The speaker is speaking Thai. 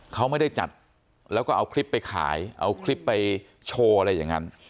เขาไม่ได้จัดแล้วก็เอาคลิปไปขายเอาคลิปไปโชว์อะไรอย่างนั้น